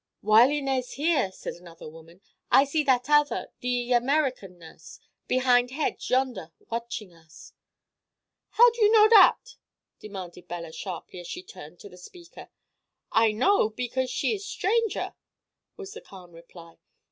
"While Inez here," said another woman, "I see that other—the American nurse—behind hedge, yonder, watching us." "How you know that?" demanded Bella sharply, as she turned to the speaker. "I know because she is stranger," was the calm reply.